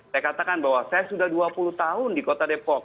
saya katakan bahwa saya sudah dua puluh tahun di kota depok